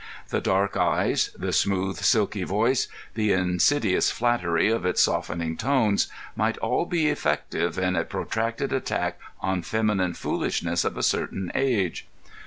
The dark eyes, the smooth, silky voice, the insidious flattery of its softening tones, might all be effective in a protracted attack on feminine foolishness of a certain age.